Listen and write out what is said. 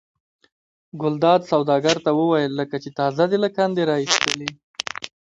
ګلداد سوداګر ته وویل لکه چې تازه دې له کندې را ایستلي.